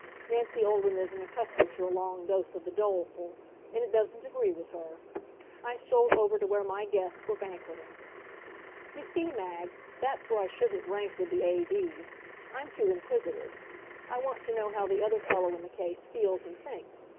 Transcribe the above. Nancy Olden isn't accustomed to a long dose of the doleful, and it doesn't agree with her. I strolled over to where my guests were banqueting. You see, Mag, that's where I shouldn't rank with the A.D. I'm too inquisitive. I want to know how the other fellow in the case feels and thinks.